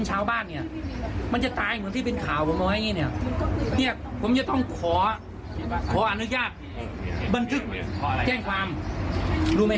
เจ้าหน้าที่ท่านั้นบอกว่าผมหนักใจ